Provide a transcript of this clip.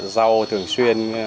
rau thường xuyên